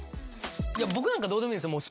いや僕なんかどうでもいいんですよ。